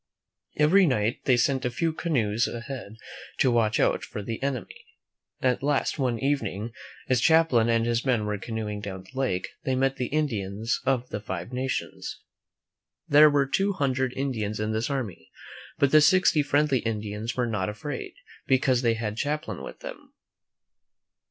Every night they sent a few canoes ahead to watch out for the enemy. At last, one evening, as Champlain and his men were canoeing down the lake, they met the Indians of the Five Nations. There were two hundred Indians in this army; but the sixty friendly UHRUitt Am '«v m 134 THE FATHER O F NEW FRANCE '^a ^Tim' Indians were not afraid, because they had Cham plain with them.